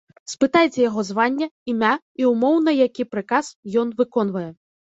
Спытайце яго званне, імя і ўмоўна які прыказ ён выконвае.